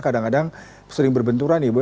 kadang kadang sering berbenturan ibu